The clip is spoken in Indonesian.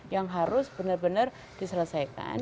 yang harus benar benar diselesaikan